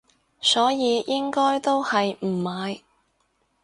所以應該都係唔買